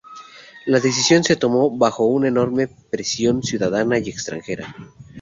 La decisión se tomó bajo una enorme presión ciudadana y extranjera.